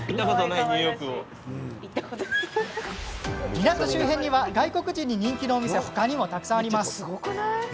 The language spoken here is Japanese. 港周辺には外国人に人気のお店が他にもたくさんあります。